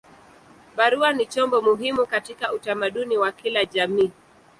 Barua ni chombo muhimu katika utamaduni wa kila jamii.